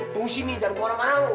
tunggu sini jangan kemana mana lo